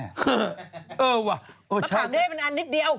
เออว่ะมะขามเทศมันอันนิดเดียว